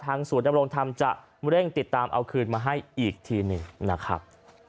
ศูนย์ดำรงธรรมจะเร่งติดตามเอาคืนมาให้อีกทีหนึ่งนะครับ